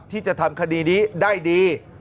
ที่จะทำคดีนี้ได้ดี